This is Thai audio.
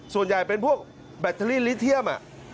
ส่วนใหญ่เป็นพวกแบตเตอรี่ลิเทียม